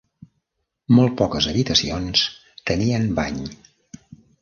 Molt poques habitacions tenien bany.